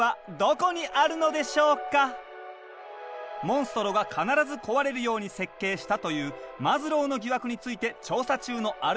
「モンストロが必ず壊れるように設計した」というマズローの疑惑について調査中のアルカ号メンバー。